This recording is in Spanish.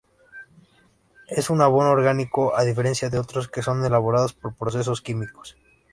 Es un abono orgánico, a diferencia de otros que son elaborados por procesos químicos.